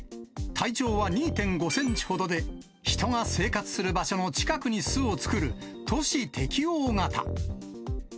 体長は２．５センチほどで、人が生活する場所の近くに巣を作る、都市適応型。